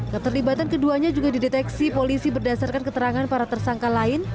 keterlibatan keduanya juga dideteksi polisi berdasarkan keterangan para tersangka lain